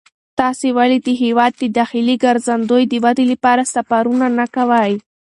تاسې ولې د هېواد د داخلي ګرځندوی د ودې لپاره سفرونه نه کوئ؟